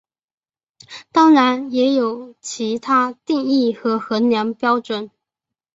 当然也有其它定义和衡量标准。